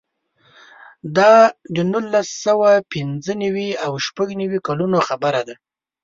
دا د نولس سوه پنځه نوې او شپږ نوې کلونو خبره ده.